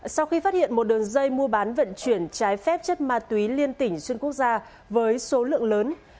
sau khi phát hiện một đường dây mua bán vận chuyển trái phép chất ma túy liên tỉnh xuyên quốc gia với số lượng lớn